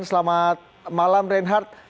selamat malam reinhard